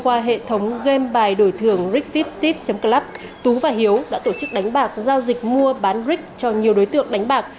qua hệ thống game bài đổi thưởng rigfithep club tú và hiếu đã tổ chức đánh bạc giao dịch mua bán rick cho nhiều đối tượng đánh bạc